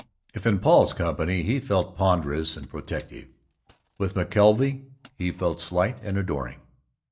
If in Paul's company he felt ponderous and protective, with McKelvey he felt slight and adoring.